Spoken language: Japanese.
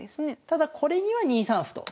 ただこれには２三歩と。